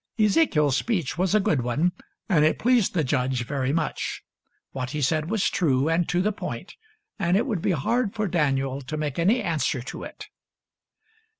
Ezekiel's speech was a good one, and it pleased the judge very much. What he said was true and to the point, and it would be hard for Daniel to make any answer to it.